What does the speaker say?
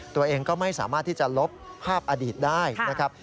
ตัวเองก็ไม่สามารถที่จะลบภาพอดีตได้นะครับ